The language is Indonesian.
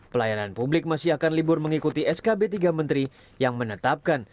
pelayanan publik masih akan libur mengikuti skb tiga menteri yang menetapkan